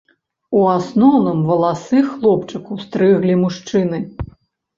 У асноўным валасы хлопчыку стрыглі мужчыны.